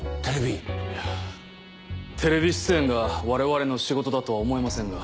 いやテレビ出演が我々の仕事だとは思えませんが。